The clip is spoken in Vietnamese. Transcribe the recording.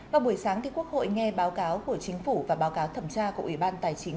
vào buổi sáng quốc hội nghe báo cáo của chính phủ và báo cáo thẩm tra của ủy ban tài chính